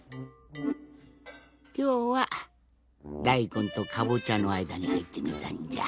きょうはだいこんとかぼちゃのあいだにはいってみたんじゃ。